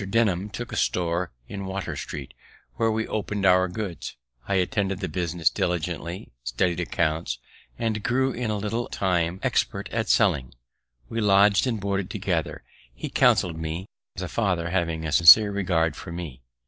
Denham took a store in Water street, where we open'd our goods; I attended the business diligently, studied accounts, and grew, in a little time, expert at selling. We lodg'd and boarded together; he counsell'd me as a father, having a sincere regard for me.